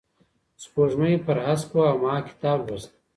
سپوږمۍ پر هسک وه او ما کتاب لوست.